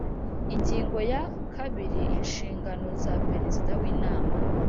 Ingingo ya kabiri Inshingano za Perezida w Inama